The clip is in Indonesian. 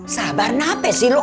sabar nate sih lo